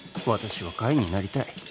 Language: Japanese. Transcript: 私は貝になりたい